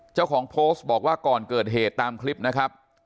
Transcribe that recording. เจ้าของโพสต์บอกว่าก่อนเกิดเหตุตามคลิปนะครับ